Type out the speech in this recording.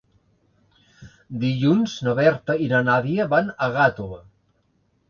Dilluns na Berta i na Nàdia van a Gàtova.